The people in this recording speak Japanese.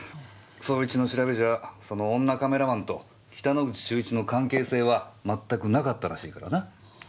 捜一の調べじゃその女カメラマンと北之口秀一の関係性は全くなかったらしいからな。